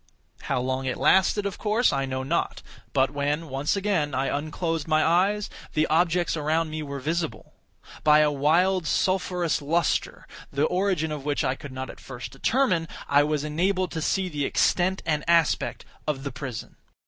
How long it lasted of course, I know not; but when, once again, I unclosed my eyes, the objects around me were visible. By a wild sulphurous lustre, the origin of which I could not at first determine, I was enabled to see the extent and aspect of the prison.